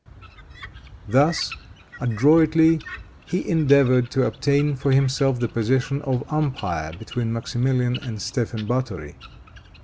Thus adroitly he endeavored to obtain for himself the position of umpire between Maximilian and Stephen Bathori.